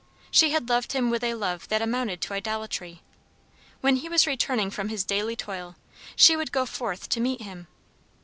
She had loved him with a love that amounted to idolatry. When he was returning from his daily toil she would go forth to meet him.